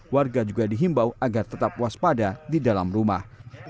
warga juga dihimbau agar tetap waspada di dalam rumah